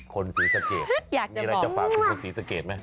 ศรีสะเกดมีอะไรจะฝากถึงคุณศรีสะเกดไหม